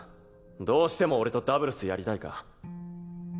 どうしても俺とダブルスやりたいか？